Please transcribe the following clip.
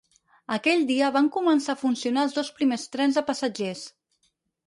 Aquell dia, van començar a funcionar els dos primers trens de passatgers.